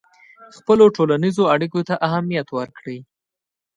خپلو ټولنیزو اړیکو ته اهمیت ورکړئ.